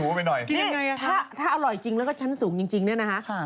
เนี่ยถ้าอร่อยจริงแล้วก็ชั้นสูงจริงอย่างนี้นะ